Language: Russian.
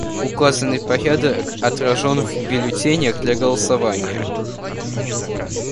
Указанный порядок отражен в бюллетенях для голосования.